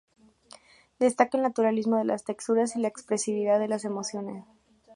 Destaca el naturalismo de las texturas y la expresividad de las emociones.